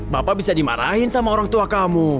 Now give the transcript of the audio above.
bapak bisa dimarahin sama orang tua kamu